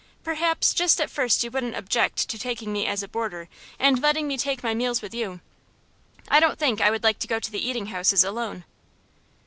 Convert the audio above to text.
"Perhaps just at first you wouldn't object to taking me as a boarder, and letting me take my meals with you. I don't think I would like to go to the eating houses alone."